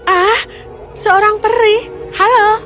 ah seorang peri halo